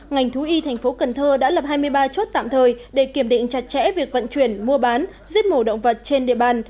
ngành thú y thành phố cần thơ đã lập hai mươi ba chốt tạm thời để kiểm định chặt chẽ việc vận chuyển mua bán giết mổ động vật trên địa bàn